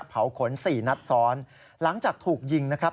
เป็นคนของธุรกิจครับ